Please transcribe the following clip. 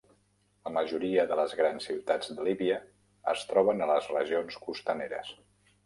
La majoria de les grans ciutats de Líbia es troben a les regions costaneres.